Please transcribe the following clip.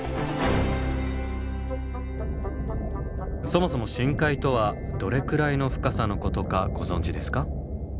そもそも深海とはどれくらいの深さのことかご存じですか？